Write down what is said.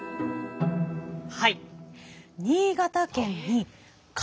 はい。